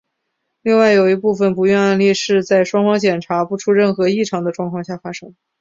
另外有一部分的不孕案例是在双方检查不出任何异常的状况下发生。